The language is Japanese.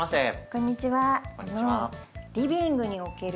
こんにちは。